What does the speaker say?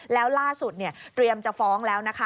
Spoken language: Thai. แล้วล่าสุดเตรียมจะฟ้องแล้วนะคะ